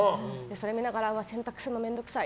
それ見ながらうわ、洗濯するの面倒くさい。